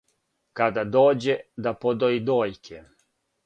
"Када дође, да подоји дојке!"